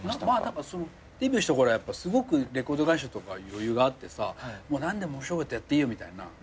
デビューしたころはすごくレコード会社とか余裕があって何でも面白いことやっていいよみたいな。